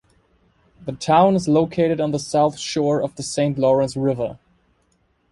The town is located on the south shore of the Saint Lawrence River.